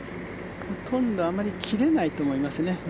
ほとんどあまり切れないと思いますね。